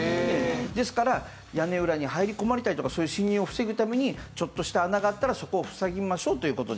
ですから屋根裏に入り込まれたりとかそういう侵入を防ぐためにちょっとした穴があったらそこを塞ぎましょうという事ですね。